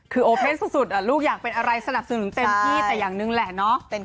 คือโอเคสุดลูกอยากเป็นอะไรสนับสนุนเต็มที่แต่อย่างหนึ่งแหละเนาะ